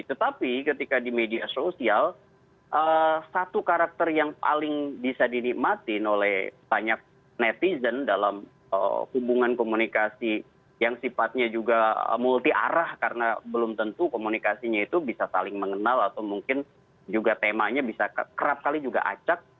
tetapi ketika di media sosial satu karakter yang paling bisa dinikmatin oleh banyak netizen dalam hubungan komunikasi yang sifatnya juga multi arah karena belum tentu komunikasinya itu bisa saling mengenal atau mungkin juga temanya bisa kerap kali juga acak